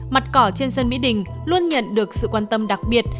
mặt cỏ trên sân mỹ đình luôn nhận được sự quan tâm đặc biệt